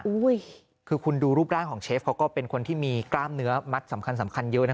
คือคุณดูรูปร่างของเชฟเขาก็เป็นคนที่มีกล้ามเนื้อมัดสำคัญสำคัญเยอะนะ